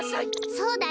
そうだよ。